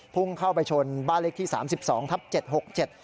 พุ่งเข้าไปชนบ้านเล็กที่๓๒ทพศ๗๖๗